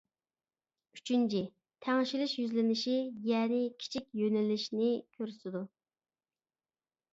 ئۈچىنچى: تەڭشىلىش يۈزلىنىشى، يەنى كىچىك يۆنىلىشنى كۆرسىتىدۇ.